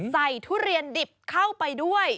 ทุเรียนดิบเข้าไปด้วย